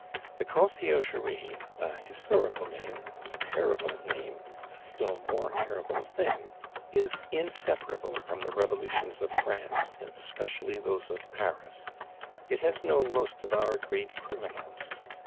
The Conciergerie, a historical name a terrible name, a still more terrible thing, is inseparable from the Revolutions of France, and especially those of Paris. It has known most of our great criminals.